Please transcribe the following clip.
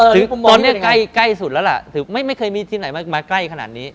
ถึงตอนนี้ใกล้สุดแล้วล่ะถึงไม่เคยมีที่ไหนมาใกล้ขนาดนี้